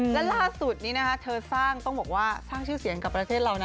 และล่าสุดนี้นะคะเธอสร้างต้องบอกว่าสร้างชื่อเสียงกับประเทศเรานะ